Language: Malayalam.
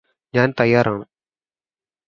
ഞാന് തയ്യാറാണ്